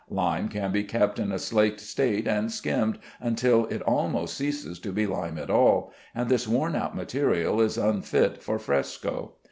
Lime can be kept in a slaked state and skimmed until it almost ceases to be lime at all, and this worn out material is unfit for fresco.